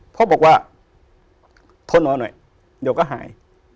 พ่อบอกว่าทนนอนหน่อยเดี๋ยวก็หาย